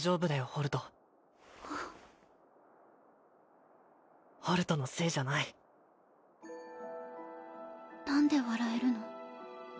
ホルトホルトのせいじゃない何で笑えるの？